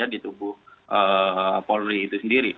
di tubuh polri itu sendiri